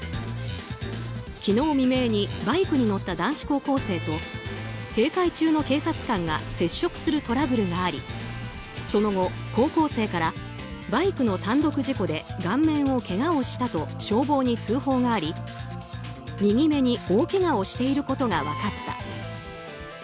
昨日未明にバイクに乗った男子高校生と警戒中の警察官が接触するトラブルがありその後、高校生からバイクの単独事故で顔面をけがをしたと消防に通報があり右目に大けがをしていることが分かった。